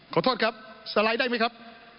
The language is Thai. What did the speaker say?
ขอโทษครับสไลด์ได้ไหมครับ